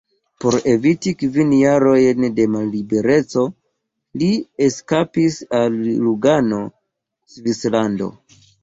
Por eviti kvin jarojn da mallibereco, li eskapis al Lugano, Svislando.